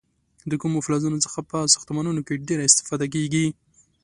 د کومو فلزونو څخه په ساختمانونو کې ډیره استفاده کېږي؟